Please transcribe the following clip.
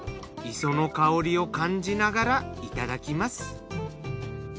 磯の香りを感じながらいただきます。